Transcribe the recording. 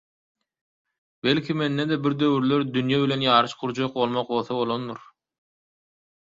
Belki, mende-de bir döwürler dünýe bilen ýaryş gurjak bolmak bolsa bolandyr.